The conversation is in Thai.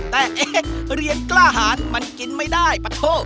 แต่เรียนกล้าหาญมันกินไม่ได้ปะโธ่